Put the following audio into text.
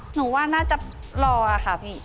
หนูว่าน่าจะรอค่ะพี่